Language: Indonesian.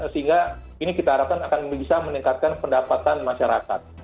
sehingga ini kita harapkan akan bisa meningkatkan pendapatan masyarakat